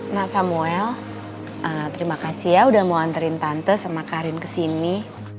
nah samuel terima kasih ya udah mau anterin tante sama karin kesini